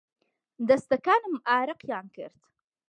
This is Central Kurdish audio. دەستەکانم ئارەقیان کرد.